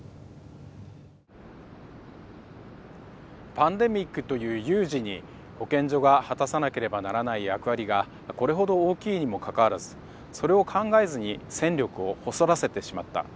パンデミックという有事に保健所が果たさなければならない役割がこれほど大きいにもかかわらずそれを考えずに戦力を細らせてしまった。